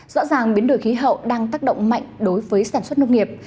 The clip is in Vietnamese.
rõ ràng biến đổi khí hậu đang tác động mạnh đối với sản xuất nông nghiệp